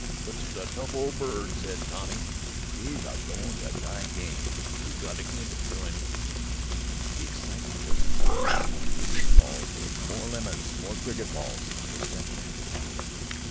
"Fritzie's a tough old bird," said Tommy. "'E's a go'n' to die game, you got to give it to 'im." The excitement was intense. Urgent calls for "More lemons! More cricket balls!" were sent back constantly.